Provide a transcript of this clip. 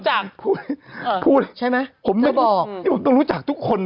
เพราะฉะนั้นรู้อยู่จากเจมส์๑๐๘